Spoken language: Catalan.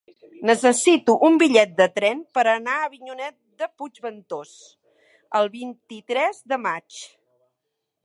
Necessito un bitllet de tren per anar a Avinyonet de Puigventós el vint-i-tres de maig.